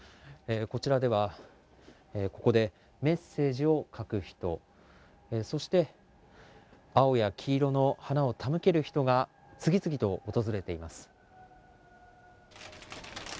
こちらでは、ここでメッセージを書く人、そして青や黄色の花を手向ける人が次々と訪れています。